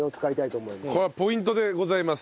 これポイントでございます。